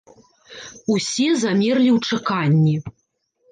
Усе замерлі ў чаканні.